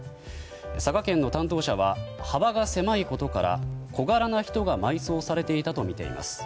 佐賀県の担当者は幅が狭いことから小柄な人が埋葬されていたとみています。